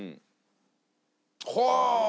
はあ！